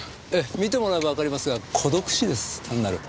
見てもらえばわかりますが孤独死です単なる。